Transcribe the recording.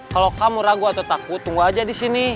kalau kamu ragu atau takut tunggu aja disini